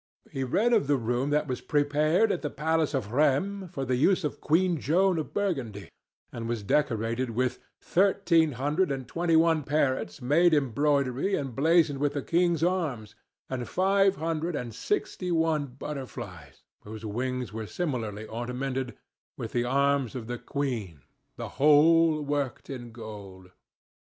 He read of the room that was prepared at the palace at Rheims for the use of Queen Joan of Burgundy and was decorated with "thirteen hundred and twenty one parrots, made in broidery, and blazoned with the king's arms, and five hundred and sixty one butterflies, whose wings were similarly ornamented with the arms of the queen, the whole worked in gold."